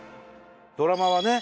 ドラマはね